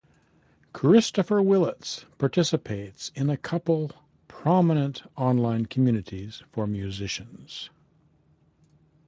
Christopher Willits participates in a couple prominent online communities for musicians.